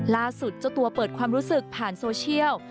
ล่าสุดเจ้าตัวเปิดความรู้สึกผ่านโซเชียล